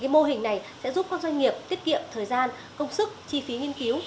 mô hình này sẽ giúp các doanh nghiệp tiết kiệm thời gian công sức chi phí nghiên cứu